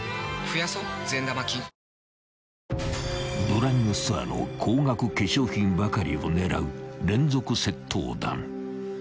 ［ドラッグストアの高額化粧品ばかりを狙う連続窃盗団］